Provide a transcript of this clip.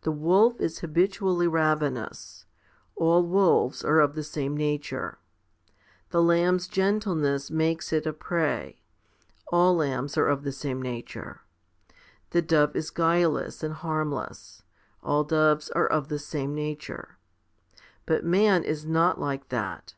The wolf is habitually ravenous ; all wolves are of the same nature. The lamb's gentleness makes it a prey ; all lambs are of the same nature. The dove is guileless and harm less ; all doves are of the same nature. But man is not like that.